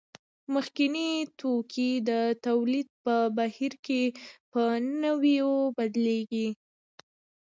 مخکیني توکي د تولید په بهیر کې په نویو بدلېږي